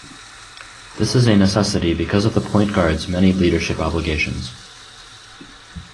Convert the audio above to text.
This is a necessity because of the point guard's many leadership obligations.